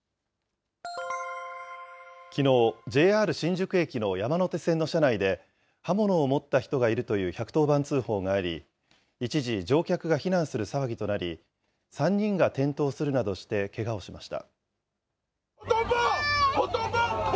きのう、ＪＲ新宿駅の山手線の車内で、刃物を持った人がいるという１１０番通報があり、一時乗客が避難する騒ぎとなり、３人が転倒するなどしてけがをしました。